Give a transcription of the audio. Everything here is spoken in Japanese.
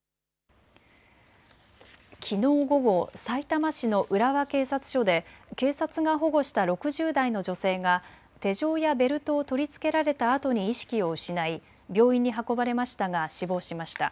きのう午後、さいたま市の浦和警察署で警察が保護した６０代の女性が手錠やベルトを取り付けられたあとに意識を失い病院に運ばれましたが死亡しました。